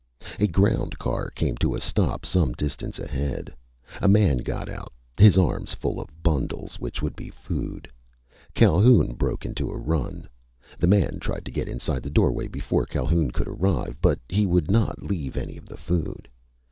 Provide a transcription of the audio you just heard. A ground car came to a stop some distance ahead. A man got out, his arms full of bundles which would be food. Calhoun broke into a run. The man tried to get inside the doorway before Calhoun could arrive. But he would not leave any of the food.